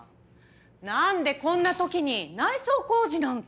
なんでこんな時に内装工事なんか？